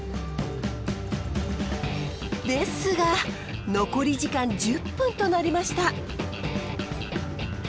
ですが残り時間１０分となりました。